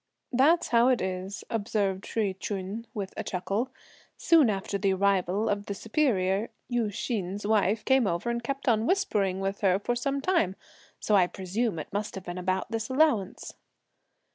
"That's how it is," observed Hsi Ch'un with a chuckle; "soon after the arrival of the Superior, Yü Hsin's wife came over and kept on whispering with her for some time; so I presume it must have been about this allowance."